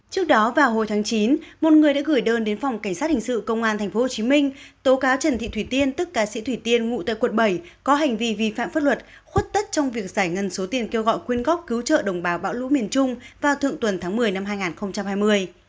trước đó vào hồi tháng chín một người đã gửi đơn đến phòng cảnh sát hình sự công an tp hcm tố cáo trần thị thủy tiên tức cá sĩ thủy tiên ngụ tại quận bảy có hành vi vi phạm pháp luật khuất tất trong việc giải ngân số tiền kêu gọi quyên góp cứu trợ đồng bào bão lũ miền trung vào thượng tuần tháng một mươi năm hai nghìn hai mươi